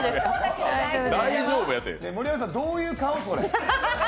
盛山さん、どういう顔、それ？